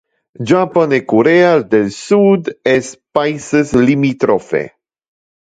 Japon e Corea del Sud es paises limitrophe.